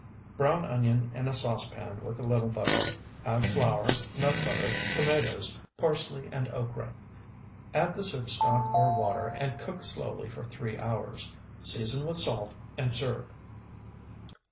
Brown onion in a saucepan with a little butter; add flour, nut butter, tomatoes, parsley, and okra. Add the soup stock or water and cook slowly for three hours. Season with salt, and serve.